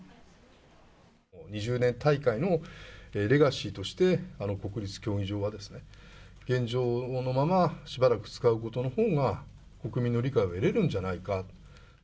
２０年大会のレガシーとして、国立競技場はですね、現状のまま、しばらく使うことのほうが、国民の理解を得れるんじゃないか。